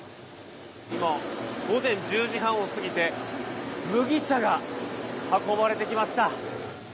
今、午前１０時半を過ぎて麦茶が運ばれてきました。